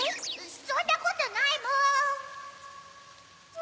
そんなことないもん。